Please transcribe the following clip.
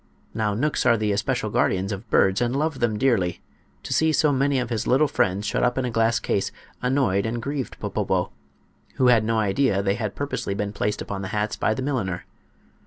Now knooks are the especial guardians of birds, and love them dearly. To see so many of his little friends shut up in a glass case annoyed and grieved Popopo, who had no idea they had purposely been placed upon the hats by the milliner.